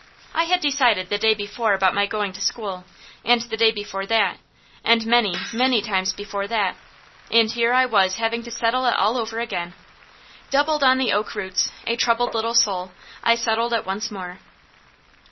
I had decided the day before about my going to school, and the day before that, and many, many times before that, and here I was having to settle it all over again. Doubled on the sak roots, a troubled little soul, I settled it once more.